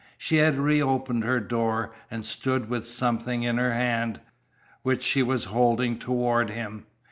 She had reopened her door, and stood with something in her hand, which she was holding toward him.